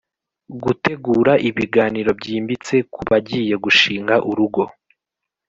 Gutegura ibiganiro byimbitse ku bagiye gushinga urugo